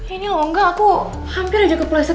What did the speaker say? ini loh enggak aku hampir aja kepleset